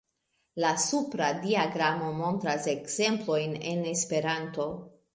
La supra diagramo montras ekzemplojn en esperanto.